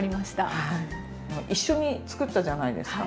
一緒に作ったじゃないですか。